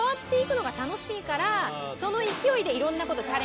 からその勢いで。